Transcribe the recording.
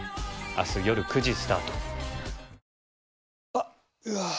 あっ、うわー。